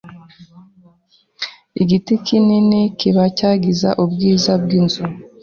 Igiti kinini kibi cyangiza ubwiza bwinzu.